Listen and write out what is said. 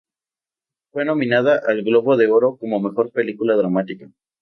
Fue nominada al Globo de Oro como mejor película dramática.